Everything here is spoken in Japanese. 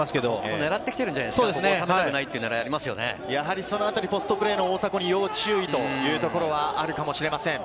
狙ってきているんじゃなポストプレーの大迫に要注意というところはあるかもしれません。